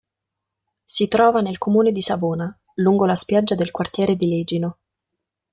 Si trova nel comune di Savona, lungo la spiaggia del quartiere di Legino.